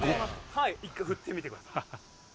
一回振ってみてください。